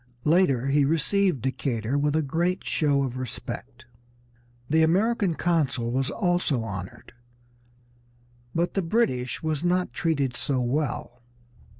Later he received Decatur with a great show of respect. The American consul was also honored, but the British was not treated so well.